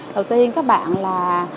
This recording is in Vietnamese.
đầu tiên các bạn là